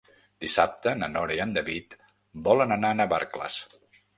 Dissabte na Nora i en David volen anar a Navarcles.